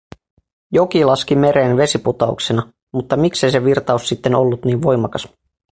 Joki laski mereen vesiputouksena… Mutta miksei sen virtaus sitten ollut niin voimakas?